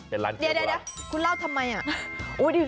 เดี๋ยวคุณเล่าทำไมอะ